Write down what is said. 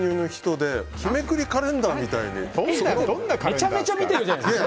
めちゃめちゃ見てるじゃないですか。